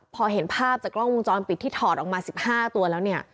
พอเห็นภาพจากกล้องวงจรปิดที่ถอดออกมา๑๕ตัวแล้วเนี่ย